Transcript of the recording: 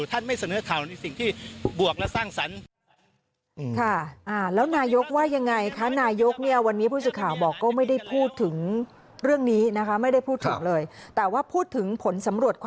ท่านไม่เสนอข่าวในสิ่งที่บวกและสร้างสรรค์